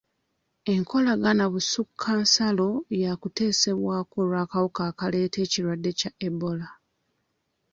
Enkolagana busukkansalo yakuteesebwako olw'akawuka akaleeta ekirwadde kya Ebola.